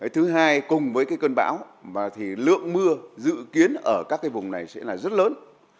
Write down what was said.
thứ hai cùng với cơn bão thì lượng mưa dự kiến ở các vùng này sẽ là rất lớn